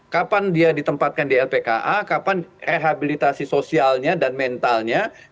kapan dia ditempatkan di lpka kapan rehabilitasi sosialnya dan mentalnya